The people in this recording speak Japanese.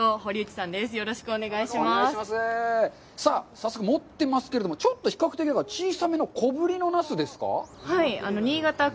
早速持ってますけれども、ちょっと比較的小さめの、小ぶりのナスですか。